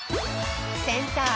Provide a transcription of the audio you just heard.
センター